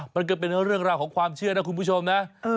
มันก็เป็นเรื่องราวของความเชื่อนะคุณผู้ชมนะ